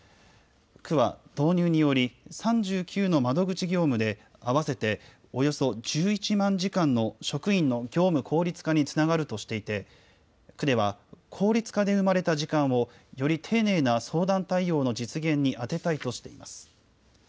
区は導入により３９の窓口業務で、合わせておよそ１１万時間の職員の業務効率化につながるとしていて、区では効率化で生まれた時間を、より丁寧な相談対応の実現に充てたいとしています。